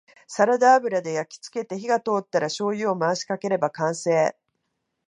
サラダ油で焼きつけて火が通ったらしょうゆを回しかければ完成